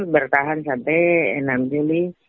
bertahan sampai enam juli